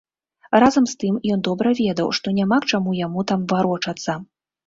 Разам з тым ён добра ведаў, што няма к чаму яму там варочацца.